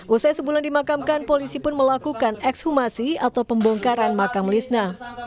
usai sebulan dimakamkan polisi pun melakukan ekshumasi atau pembongkaran makam lisna